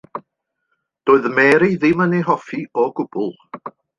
Doedd Mary ddim yn ei hoffi o gwbl.